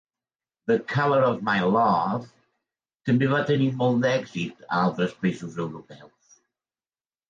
"The Colour of My Love" també va tenir molt d'èxit a altres països europeus.